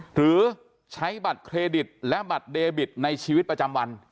หรือใช้บัตรเครดิตและบัตรเดบิตในชีวิตประจำวัน